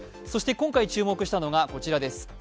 今回注目したのが、こちらです。